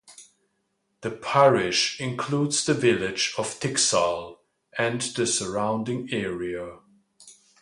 The parish includes the village of Tixall and the surrounding area.